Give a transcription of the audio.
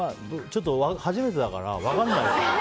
初めてだから分からない。